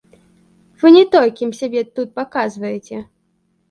Вы не той, кім сябе тут паказваеце.